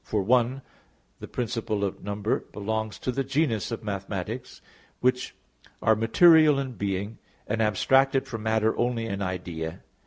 For "one" the principle of number belongs to the genus of mathematics, which are material in being, and abstracted from matter only in idea.